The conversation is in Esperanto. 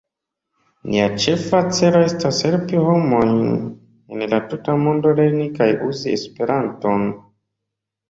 Nia ĉefa celo estas helpi homojn en la tuta mondo lerni kaj uzi Esperanton.